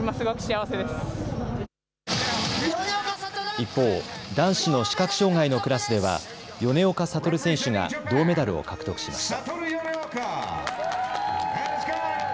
一方、男子の視覚障害のクラスでは米岡聡選手が銅メダルを獲得しました。